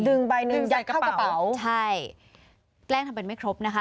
ดึงใบหนึ่งยัดเข้ากระเป๋าใช่แกล้งทำเป็นไม่ครบนะคะ